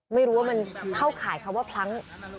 ไม่รู้ว่ามันเข้าข่ายคำว่าพลั้ง